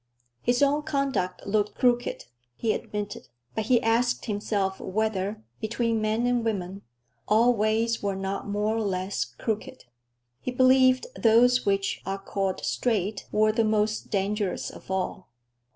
His own conduct looked crooked, he admitted; but he asked himself whether, between men and women, all ways were not more or less crooked. He believed those which are called straight were the most dangerous of all.